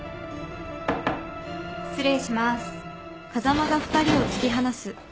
失礼します。